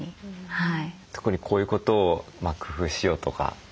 はい。